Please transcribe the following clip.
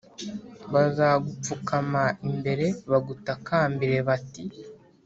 bazagupfukama imbere, bagutakambire bati